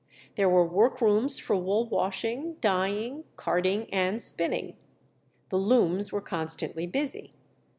There were work rooms for wool washing, dyeing, carding, and spinning. The looms were constantly busy.